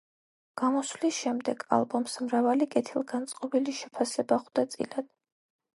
გამოსვლის შემდეგ ალბომს მრავალი კეთილგანწყობილი შეფასება ხვდა წილად.